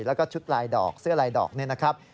แล้วก็ชุดลายดอกเสื้อลายดอกเนี่ยนะครับ